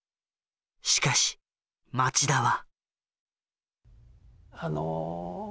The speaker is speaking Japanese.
しかし町田は。